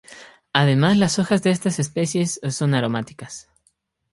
Además las hojas de esta especie son aromáticas.